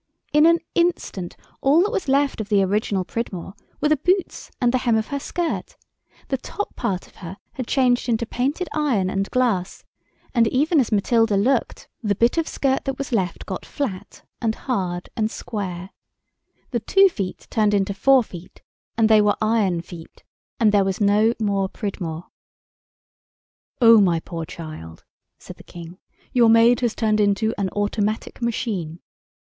In an instant all that was left of the original Pridmore were the boots and the hem of her skirt—the top part of her had changed into painted iron and glass, and even as Matilda looked the bit of skirt that was left got flat and hard and square. The two feet turned into four feet, and they were iron feet, and there was no more Pridmore. [Illustration: THE TOP PART OF PRIDMORE TURNED INTO PAINTED IRON AND GLASS.] "Oh, my poor child," said the King, "your maid has turned into an Automatic Machine."